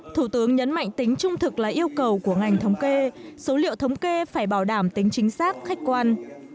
thủ tướng nhấn mạnh tính trung thực là yêu cầu của ngành thống kê số liệu thống kê phải bảo đảm tính chính xác khách quan